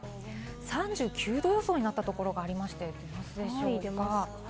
３９度予想になったところがありまして、映るでしょうか？